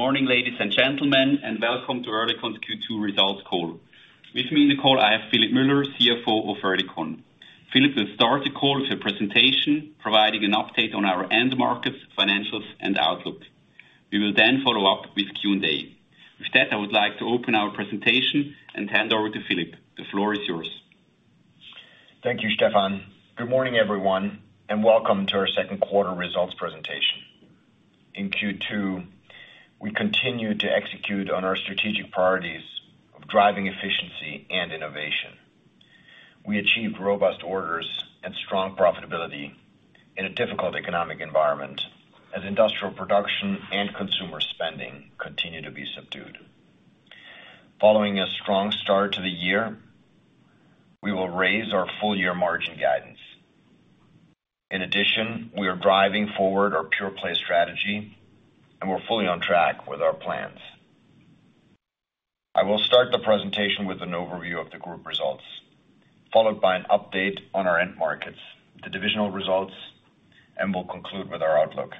Morning, ladies and gentlemen, and welcome to Oerlikon's Q2 results call. With me in the call, I have Philipp Müller, CFO of Oerlikon. Philipp will start the call with a presentation, providing an update on our end markets, financials, and outlook. We will then follow up with Q&A. With that, I would like to open our presentation and hand over to Philipp. The floor is yours. Thank you, Stephan. Good morning, everyone, and welcome to our second quarter results presentation. In Q2, we continued to execute on our strategic priorities of driving efficiency and innovation. We achieved robust orders and strong profitability in a difficult economic environment, as industrial production and consumer spending continue to be subdued. Following a strong start to the year, we will raise our full-year margin guidance. In addition, we are driving forward our pure-play strategy, and we're fully on track with our plans. I will start the presentation with an overview of the group results, followed by an update on our end markets, the divisional results, and we'll conclude with our outlook.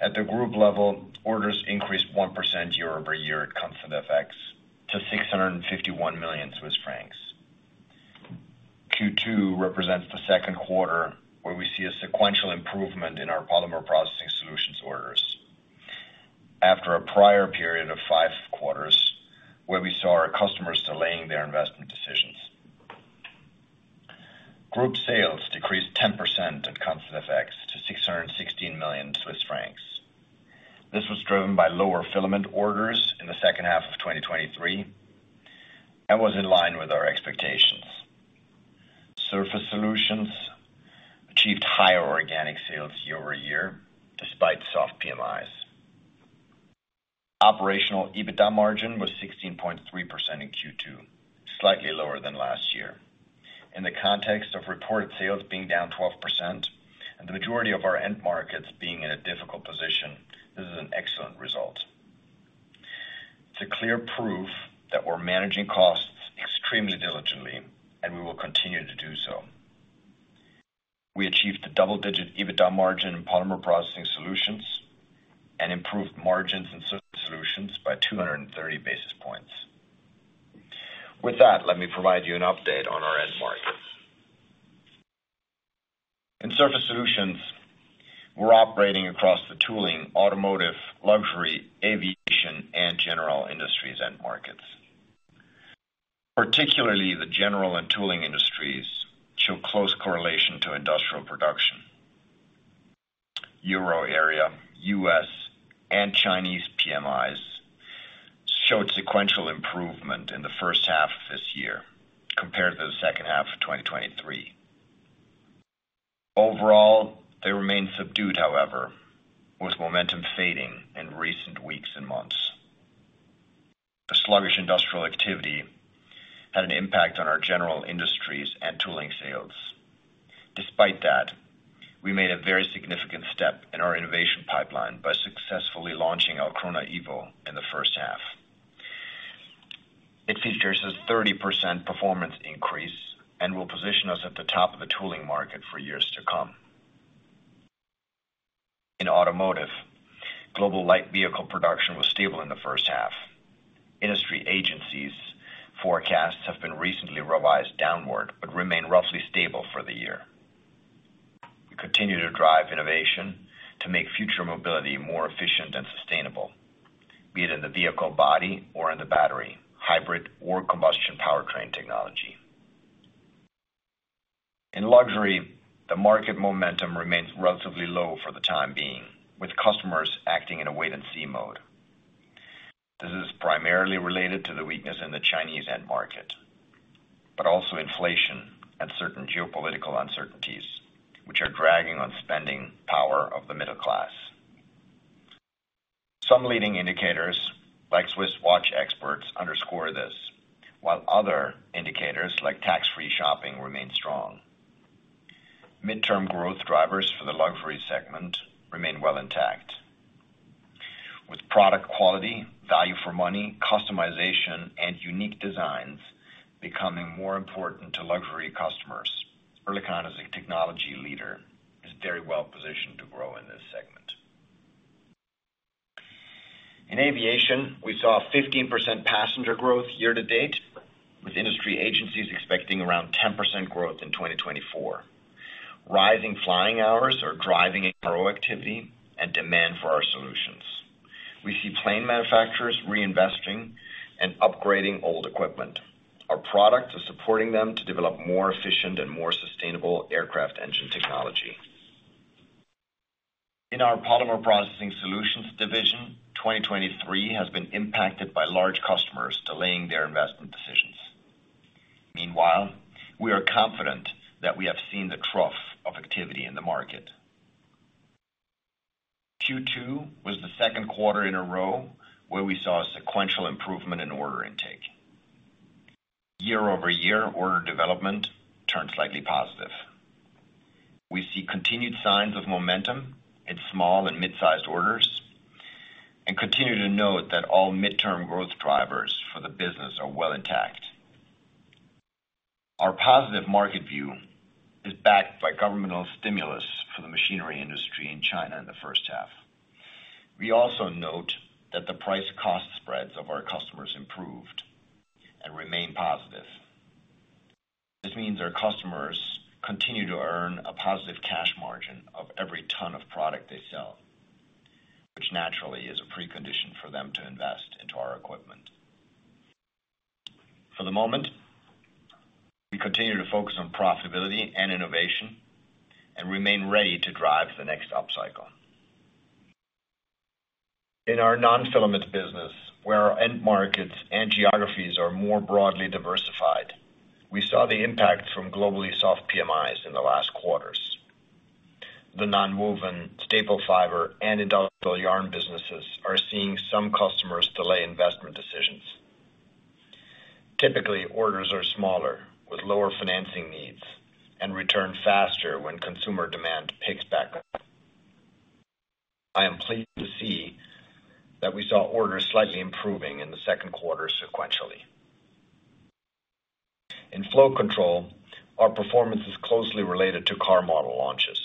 At the group level, orders increased 1% year-over-year at constant FX to 651 million Swiss francs. Q2 represents the second quarter where we see a sequential improvement in our Polymer Processing Solutions orders. After a prior period of five quarters, where we saw our customers delaying their investment decisions. Group sales decreased 10% at constant FX to 616 million Swiss francs. This was driven by lower filament orders in the second half of 2023, and was in line with our expectations. Surface Solutions achieved higher organic sales year-over-year, despite soft PMIs. Operational EBITDA margin was 16.3% in Q2, slightly lower than last year. In the context of reported sales being down 12% and the majority of our end markets being in a difficult position, this is an excellent result. It's a clear proof that we're managing costs extremely diligently, and we will continue to do so. We achieved the double-digit EBITDA margin in Polymer Processing Solutions and improved margins in Surface Solutions by 230 basis points. With that, let me provide you an update on our end market. In Surface Solutions, we're operating across the tooling, automotive, luxury, aviation, and general industries end markets. Particularly the general and tooling industries show close correlation to industrial production. Euro area, U.S., and Chinese PMIs showed sequential improvement in the first half of this year compared to the second half of 2023. Overall, they remain subdued, however, with momentum fading in recent weeks and months. The sluggish industrial activity had an impact on our general industries and tooling sales. Despite that, we made a very significant step in our innovation pipeline by successfully launching our BALINIT ALCRONA EVO in the first half. It features a 30% performance increase and will position us at the top of the tooling market for years to come. In automotive, global light vehicle production was stable in the first half. Industry agencies' forecasts have been recently revised downward, but remain roughly stable for the year. We continue to drive innovation to make future mobility more efficient and sustainable, be it in the vehicle body or in the battery, hybrid or combustion powertrain technology. In luxury, the market momentum remains relatively low for the time being, with customers acting in a wait-and-see mode. This is primarily related to the weakness in the Chinese end market, but also inflation and certain geopolitical uncertainties, which are dragging on spending power of the middle class. Some leading indicators, like Swiss watch exports, underscore this, while other indicators, like tax-free shopping, remain strong. Mid-term growth drivers for the luxury segment remain well intact. With product quality, value for money, customization, and unique designs becoming more important to luxury customers, Oerlikon, as a technology leader, is very well positioned to grow in this segment. In aviation, we saw a 15% passenger growth year-to-date, with industry agencies expecting around 10% growth in 2024. Rising flying hours are driving activity and demand for our solutions. We see plane manufacturers reinvesting and upgrading old equipment. Our products are supporting them to develop more efficient and more sustainable aircraft engine technology. In our Polymer Processing Solutions division, 2023 has been impacted by large customers delaying their investment decisions. Meanwhile, we are confident that we have seen the trough of activity in the market. Q2 was the second quarter in a row where we saw a sequential improvement in order intake. Year-over-year, order development turned slightly positive. We see continued signs of momentum in small and mid-sized orders, and continue to note that all midterm growth drivers for the business are well intact. Our positive market view is backed by governmental stimulus for the machinery industry in China in the first half. We also note that the price-cost spreads of our customers improved and remain positive. This means our customers continue to earn a positive cash margin of every ton of product they sell, which naturally is a precondition for them to invest into our equipment. For the moment, we continue to focus on profitability and innovation and remain ready to drive the next upcycle. In our non-filament business, where our end markets and geographies are more broadly diversified, we saw the impact from globally soft PMIs in the last quarters. The nonwoven, staple fiber, and industrial yarn businesses are seeing some customers delay investment decisions. Typically, orders are smaller, with lower financing needs, and return faster when consumer demand picks back up. I am pleased to see that we saw orders slightly improving in the second quarter sequentially. In Flow Control, our performance is closely related to car model launches.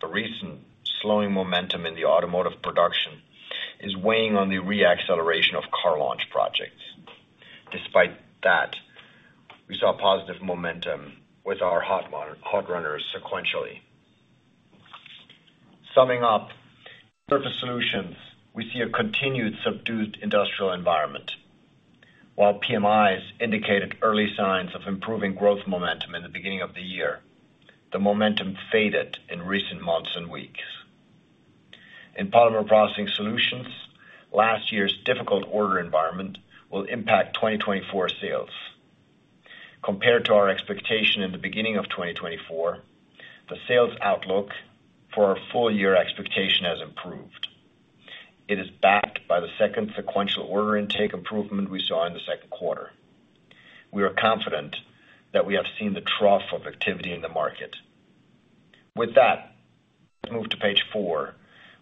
The recent slowing momentum in the automotive production is weighing on the reacceleration of car launch projects. Despite that, we saw positive momentum with our hot runners sequentially. Summing up, Surface Solutions, we see a continued subdued industrial environment. While PMIs indicated early signs of improving growth momentum in the beginning of the year, the momentum faded in recent months and weeks. In Polymer Processing Solutions, last year's difficult order environment will impact 2024 sales. Compared to our expectation in the beginning of 2024, the sales outlook for our full-year expectation has improved. It is backed by the second sequential order intake improvement we saw in the second quarter. We are confident that we have seen the trough of activity in the market. With that, let's move to page four,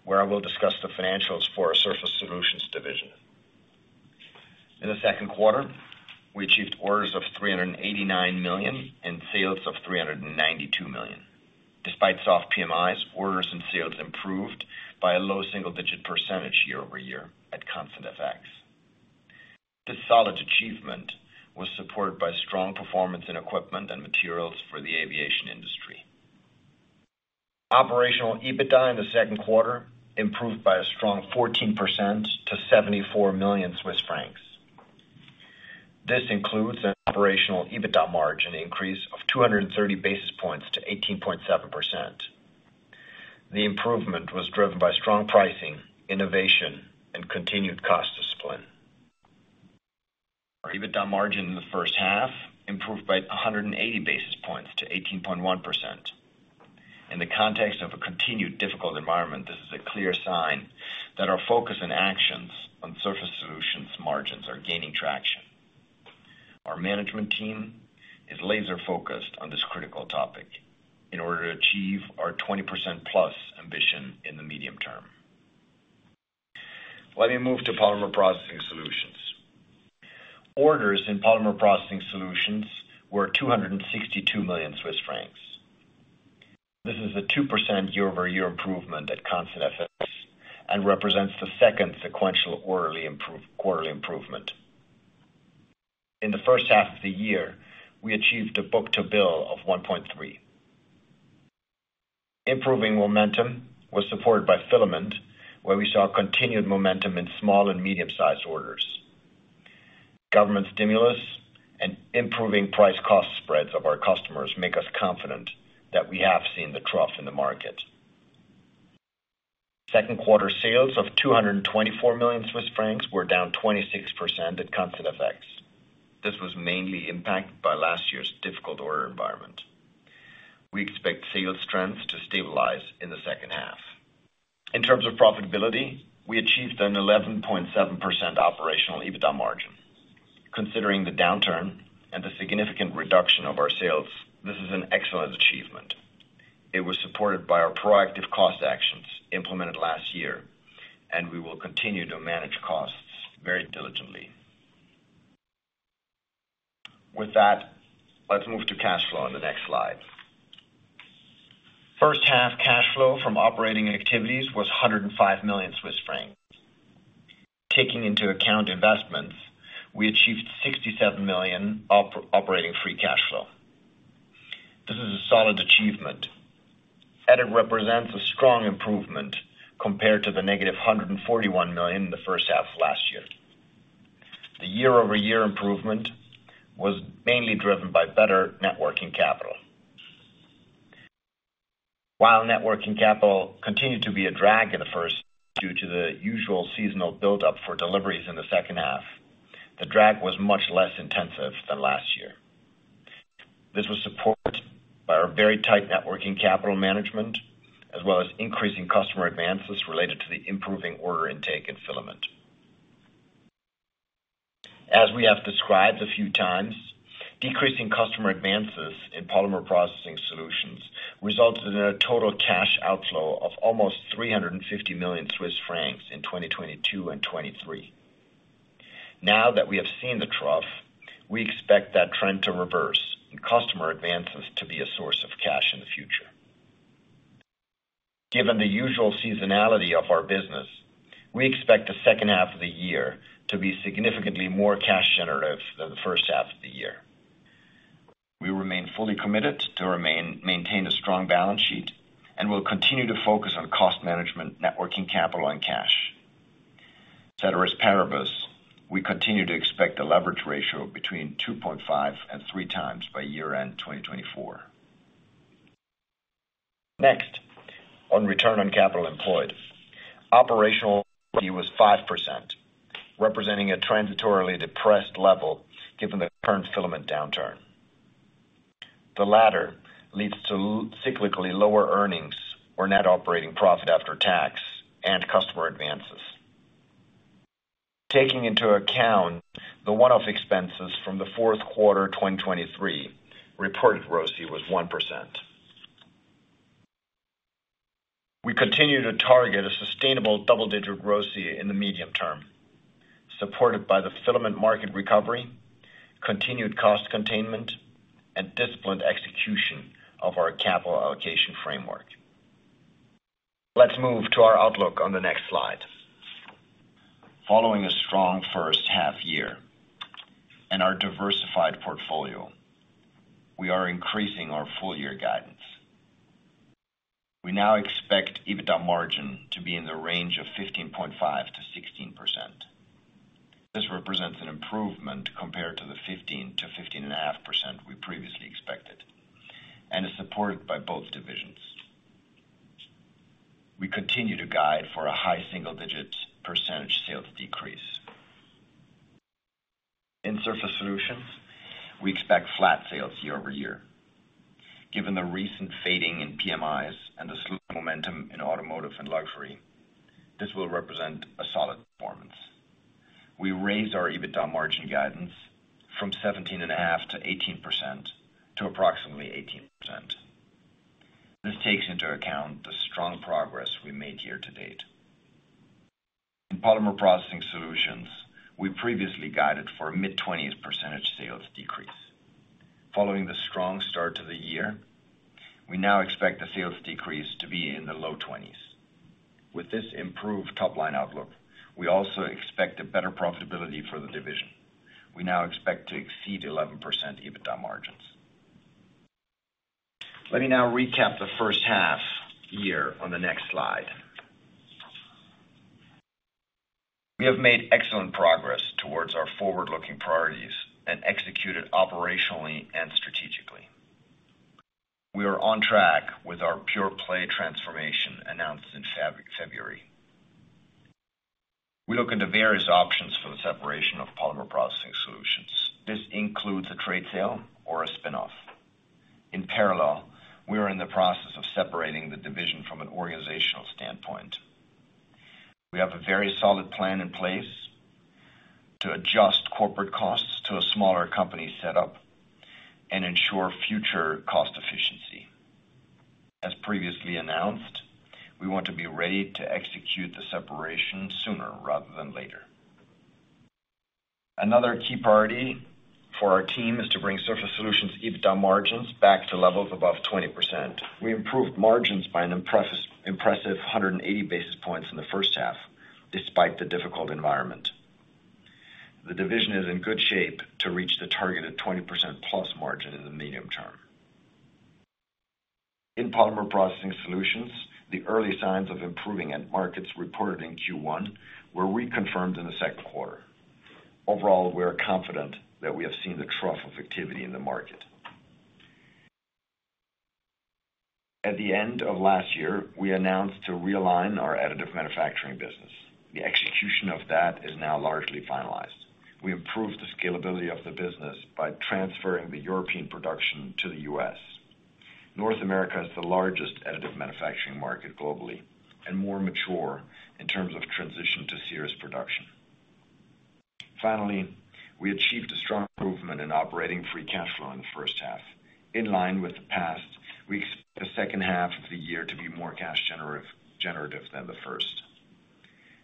where I will discuss the financials for our Surface Solutions division. In the second quarter, we achieved orders of 389 million and sales of 392 million. Despite soft PMIs, orders and sales improved by a low single-digit % year-over-year at constant FX. This solid achievement was supported by strong performance in equipment and materials for the aviation industry. Operational EBITDA in the second quarter improved by a strong 14% to 74 million Swiss francs. This includes an operational EBITDA margin increase of 230 basis points to 18.7%. The improvement was driven by strong pricing, innovation, and continued cost discipline. Our EBITDA margin in the first half improved by 180 basis points to 18.1%. In the context of a continued difficult environment, this is a clear sign that our focus and actions on Surface Solutions margins are gaining traction. Our management team is laser-focused on this critical topic in order to achieve our 20%+ ambition in the medium term. Let me move to Polymer Processing Solutions. Orders in Polymer Processing Solutions were 262 million Swiss francs. This is a 2% year-over-year improvement at constant FX and represents the second sequential quarterly improvement. In the first half of the year, we achieved a book-to-bill of 1.3. Improving momentum was supported by filament, where we saw continued momentum in small and medium-sized orders. Government stimulus and improving price-cost spreads of our customers make us confident that we have seen the trough in the market. Second quarter sales of 224 million Swiss francs were down 26% at constant FX. This was mainly impacted by last year's difficult order environment. We expect sales trends to stabilize in the second half. In terms of profitability, we achieved an 11.7% operational EBITDA margin. Considering the downturn and the significant reduction of our sales, this is an excellent achievement. It was supported by our proactive cost actions implemented last year, and we will continue to manage costs very diligently. With that, let's move to cash flow on the next slide. First half cash flow from operating activities was 105 million Swiss francs. Taking into account investments, we achieved 67 million operating free cash flow. This is a solid achievement, and it represents a strong improvement compared to the negative 141 million in the first half of last year. The year-over-year improvement was mainly driven by better net working capital. While net working capital continued to be a drag in the first, due to the usual seasonal buildup for deliveries in the second half, the drag was much less intensive than last year. This was supported by our very tight net working capital management, as well as increasing customer advances related to the improving order intake and filament. As we have described a few times, decreasing customer advances in Polymer Processing Solutions resulted in a total cash outflow of almost 350 million Swiss francs in 2022 and 2023. Now that we have seen the trough, we expect that trend to reverse and customer advances to be a source of cash in the future. Given the usual seasonality of our business, we expect the second half of the year to be significantly more cash generative than the first half of the year. We remain fully committed to maintain a strong balance sheet, and we'll continue to focus on cost management, net working capital and cash. Ceteris paribus, we continue to expect a leverage ratio between 2.5x and 3x by year-end 2024. Next, on return on capital employed. Operational was 5%, representing a transitorily depressed level given the current filament downturn. The latter leads to cyclically lower earnings or net operating profit after tax and customer advances. Taking into account the one-off expenses from the fourth quarter, 2023, reported ROCE was 1%. We continue to target a sustainable double-digit ROCE in the medium term, supported by the filament market recovery, continued cost containment, and disciplined execution of our capital allocation framework. Let's move to our outlook on the next slide. Following a strong first half year and our diversified portfolio, we are increasing our full-year guidance. We now expect EBITDA margin to be in the range of 15.5%-16%. This represents an improvement compared to the 15%-15.5% we previously expected, and is supported by both divisions. We continue to guide for a high single-digit percentage sales decrease. In Surface Solutions, we expect flat sales year-over-year. Given the recent fading in PMIs and the slow momentum in automotive and luxury, this will represent a solid performance. We raised our EBITDA margin guidance from 17.5%-18% to approximately 18%. This takes into account the strong progress we made year-to-date. In Polymer Processing Solutions, we previously guided for a mid-20s% sales decrease. Following the strong start to the year, we now expect the sales decrease to be in the low 20s. With this improved top-line outlook, we also expect a better profitability for the division. We now expect to exceed 11% EBITDA margins. Let me now recap the first half year on the next slide. We have made excellent progress towards our forward-looking priorities and executed operationally and strategically. We are on track with our pure-play transformation announced in February. We look into various options for the separation of Polymer Processing Solutions. This includes a trade sale or a spin-off. In parallel, we are in the process of separating the division from an organizational standpoint. We have a very solid plan in place to adjust corporate costs to a smaller company setup and ensure future cost efficiency. As previously announced, we want to be ready to execute the separation sooner rather than later. Another key priority for our team is to bring Surface Solutions' EBITDA margins back to levels above 20%. We improved margins by an impressive 100 basis points in the first half, despite the difficult environment. The division is in good shape to reach the targeted 20%+ margin in the medium term. In Polymer Processing Solutions, the early signs of improving end markets reported in Q1 were reconfirmed in the second quarter. Overall, we are confident that we have seen the trough of activity in the market. At the end of last year, we announced to realign our additive manufacturing business. The execution of that is now largely finalized. We improved the scalability of the business by transferring the European production to the U.S. North America is the largest additive manufacturing market globally and more mature in terms of transition to series production. Finally, we achieved a strong improvement in operating free cash flow in the first half. In line with the past, we expect the second half of the year to be more cash generative than the first.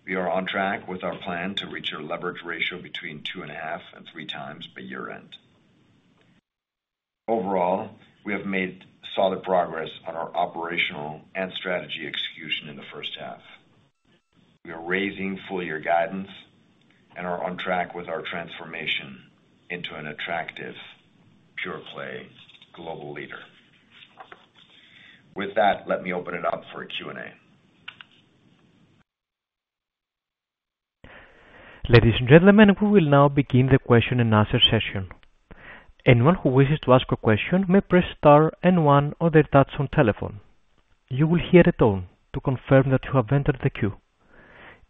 We are on track with our plan to reach a leverage ratio between 2.5x and 3x by year-end. Overall, we have made solid progress on our operational and strategy execution in the first half. We are raising full-year guidance and are on track with our transformation into an attractive, pure-play global leader. With that, let me open it up for a Q&A. Ladies and gentlemen, we will now begin the question-and-answer session. Anyone who wishes to ask a question may press star and one on their touch-tone telephone. You will hear a tone to confirm that you have entered the queue.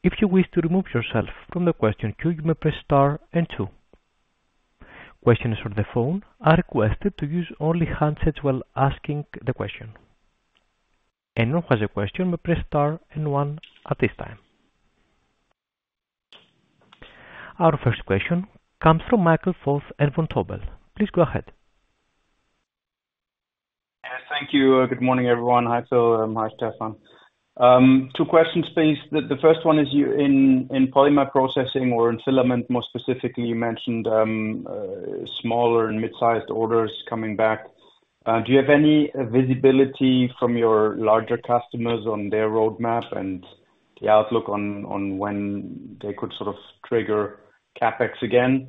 If you wish to remove yourself from the question queue, you may press star and two. Questions on the phone are requested to use only handsets while asking the question. Anyone who has a question may press star and one at this time. Our first question comes from Michael Foeth, Vontobel. Please go ahead.... Thank you. Good morning, everyone. Hi, Phil. Hi, Stephan. Two questions, please. The first one is you in Polymer Processing or in filament, more specifically, you mentioned smaller and mid-sized orders coming back. Do you have any visibility from your larger customers on their roadmap and the outlook on when they could sort of trigger CapEx again?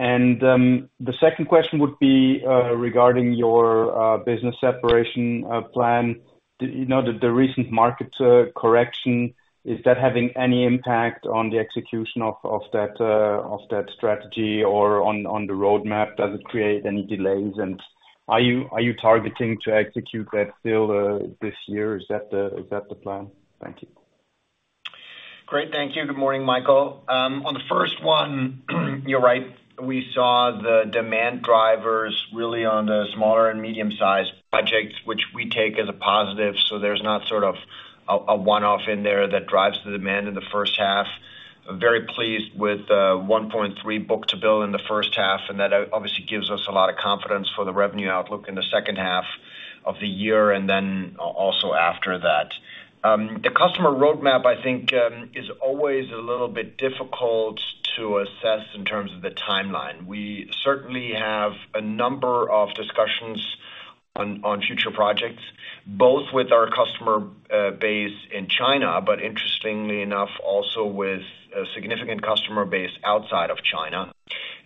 And the second question would be regarding your business separation plan. Do you know the recent market correction, is that having any impact on the execution of that strategy or on the roadmap? Does it create any delays, and are you targeting to execute that still this year? Is that the plan? Thank you. Great, thank you. Good morning, Michael. On the first one, you're right. We saw the demand drivers really on the smaller and medium-sized projects, which we take as a positive, so there's not sort of a one-off in there that drives the demand in the first half. I'm very pleased with 1.3 book-to-bill in the first half, and that obviously gives us a lot of confidence for the revenue outlook in the second half of the year, and then also after that. The customer roadmap, I think, is always a little bit difficult to assess in terms of the timeline. We certainly have a number of discussions on future projects, both with our customer base in China, but interestingly enough, also with a significant customer base outside of China.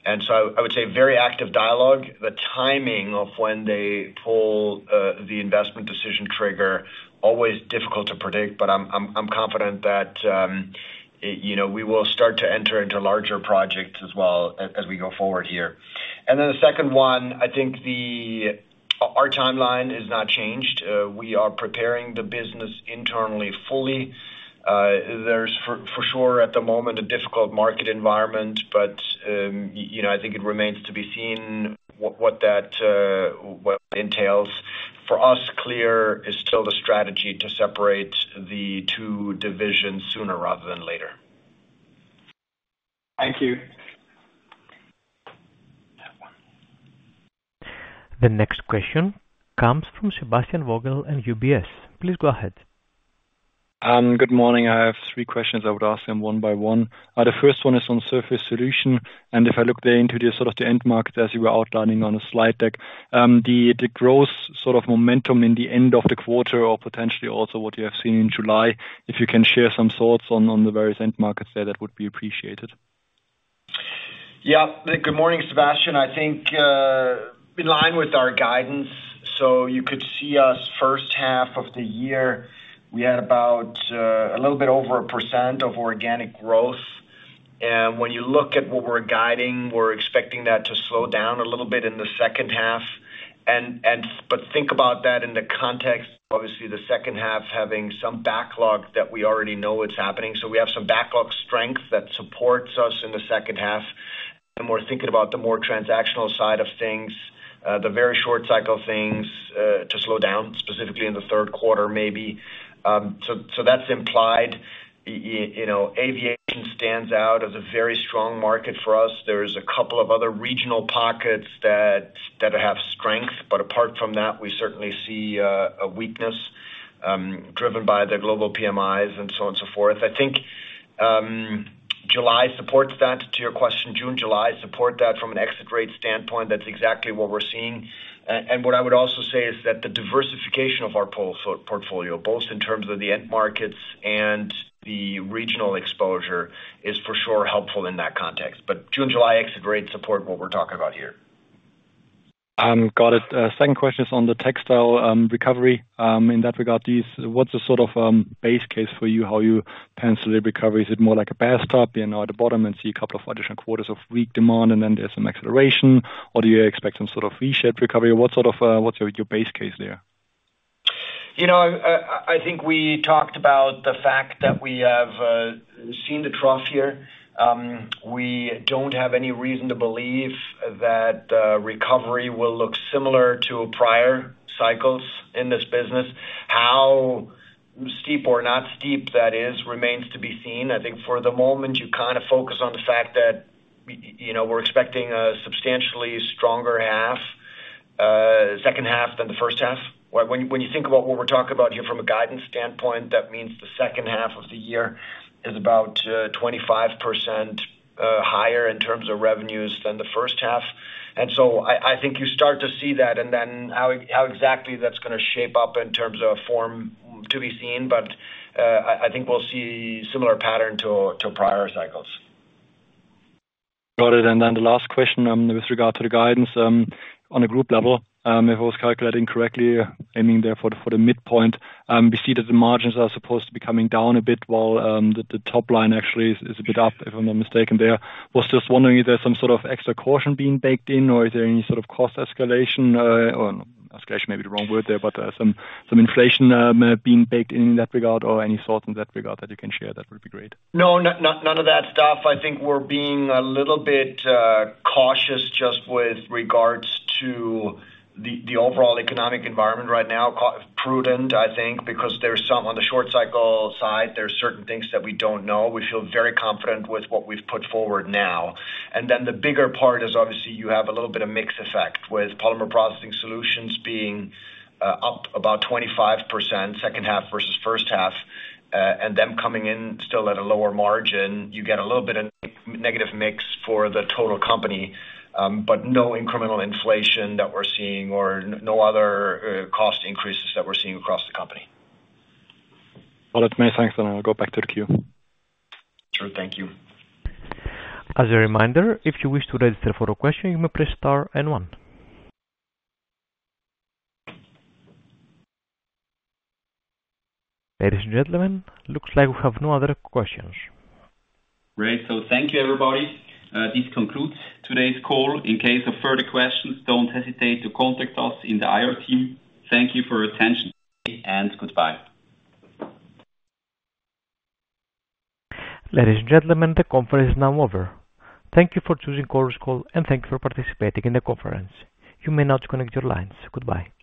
And so I would say very active dialogue. The timing of when they pull the investment decision trigger, always difficult to predict, but I'm confident that, you know, we will start to enter into larger projects as well as we go forward here. And then the second one, I think our timeline is not changed. We are preparing the business internally, fully. There's for sure, at the moment, a difficult market environment, but you know, I think it remains to be seen what that entails. For us, clear is still the strategy to separate the two divisions sooner rather than later. Thank you. The next question comes from Sebastian Vogel in UBS. Please go ahead. Good morning, I have three questions I would ask them one by one. The first one is on Surface Solutions, and if I look there into the sort of the end market as you were outlining on a slide deck, the growth sort of momentum in the end of the quarter or potentially also what you have seen in July, if you can share some thoughts on the various end markets there, that would be appreciated. Yeah. Good morning, Sebastian. I think in line with our guidance, so you could see us first half of the year, we had about a little bit over 1% organic growth. And when you look at what we're guiding, we're expecting that to slow down a little bit in the second half. But think about that in the context, obviously, the second half having some backlog that we already know it's happening. So we have some backlog strength that supports us in the second half, and we're thinking about the more transactional side of things, the very short cycle of things, to slow down, specifically in the third quarter, maybe. So that's implied. You know, aviation stands out as a very strong market for us. There's a couple of other regional pockets that have strength, but apart from that, we certainly see a weakness driven by the global PMIs and so on and so forth. I think July supports that. To your question, June, July support that from an exit rate standpoint, that's exactly what we're seeing. And what I would also say is that the diversification of our portfolio, both in terms of the end markets and the regional exposure, is for sure helpful in that context. But June, July exit rate support what we're talking about here. Got it. Second question is on the textile recovery. In that regard, what's the sort of base case for you, how you pencil the recovery? Is it more like a bathtub, you know, at the bottom and see a couple of additional quarters of weak demand, and then there's some acceleration, or do you expect some sort of V-shaped recovery? What sort of, what's your, your base case there? You know, I think we talked about the fact that we have seen the trough here. We don't have any reason to believe that recovery will look similar to prior cycles in this business. How steep or not steep that is, remains to be seen. I think for the moment, you kind of focus on the fact that, you know, we're expecting a substantially stronger half, second half than the first half. When you think about what we're talking about here from a guidance standpoint, that means the second half of the year is about 25% higher in terms of revenues than the first half. And so I think you start to see that, and then how exactly that's gonna shape up in terms of form to be seen, but I think we'll see similar pattern to prior cycles. Got it. And then the last question, with regard to the guidance, on a group level, if I was calculating correctly, I mean, therefore, for the midpoint, we see that the margins are supposed to be coming down a bit, while the top line actually is a bit up, if I'm not mistaken there. Was just wondering if there's some sort of extra caution being baked in, or is there any sort of cost escalation, or escalation may be the wrong word there, but some inflation being baked in, in that regard, or any thoughts in that regard that you can share, that would be great. No, none of that stuff. I think we're being a little bit cautious just with regards to the overall economic environment right now. Prudent, I think, because there's some on the short cycle side, there's certain things that we don't know. We feel very confident with what we've put forward now. And then the bigger part is obviously you have a little bit of mix effect with Polymer Processing Solutions being up about 25%, second half versus first half, and them coming in still at a lower margin. You get a little bit of negative mix for the total company, but no incremental inflation that we're seeing or no other cost increases that we're seeing across the company. Well, that's me. Thanks, and I'll go back to the queue. Sure. Thank you. As a reminder, if you wish to register for a question, you may press star and one. Ladies and gentlemen, looks like we have no other questions. Great. So thank you, everybody. This concludes today's call. In case of further questions, don't hesitate to contact us in the IR team. Thank you for your attention, and goodbye. Ladies and gentlemen, the conference is now over. Thank you for choosing Chorus Call, and thank you for participating in the conference. You may now disconnect your lines. Goodbye.